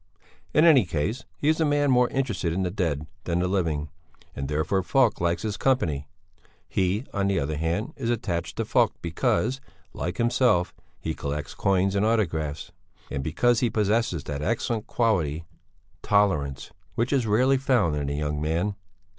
In any case, he is a man more interested in the dead than the living, and therefore Falk likes his company; he, on the other hand, is attached to Falk because, like himself, he collects coins and autographs, and because he possesses that excellent quality, tolerance, which is rarely found in a young man.